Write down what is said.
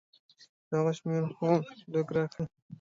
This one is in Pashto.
د هغه شميره خو لګه راکه.